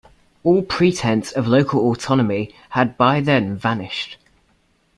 All pretense of local autonomy had by then vanished.